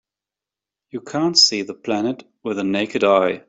You can't see the planet with the naked eye.